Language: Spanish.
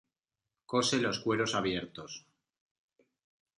Cose los cueros abiertos.